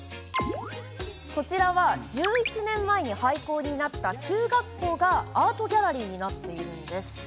１１年前に廃校になった中学校がアートギャラリーになっています。